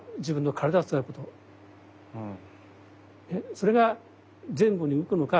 それが前後に動くのか